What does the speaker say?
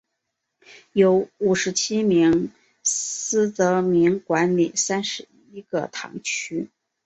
由五十七名司铎名管理三十一个堂区。